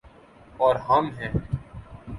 اور ہم ہیں۔